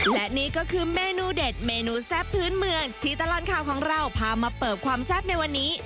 และนี่ก็คือเมนูเด็ดเมนูแซ่บพื้นเมืองที่ตลอดข่าวของเราพามาเปิบความแซ่บในวันนี้